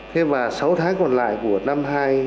thế và sáu tháng còn lại của năm hai nghìn một mươi bảy